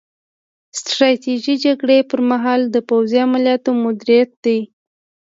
ستراتیژي د جګړې پر مهال د پوځي عملیاتو مدیریت دی